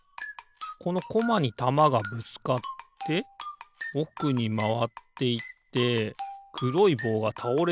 このコマにたまがぶつかっておくにまわっていってくろいぼうがたおれそうだな。